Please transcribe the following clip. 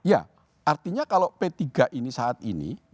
ya artinya kalau p tiga ini saat ini